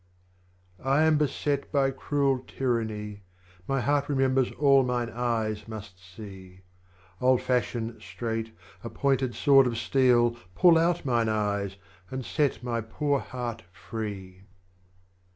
7. I am beset by cruel Tyranny, My heart remembers all mine Eyes must see, I'll fashion, straight, a pointed sword of steel. Tut out mine Eyes, and set my poor Heart free.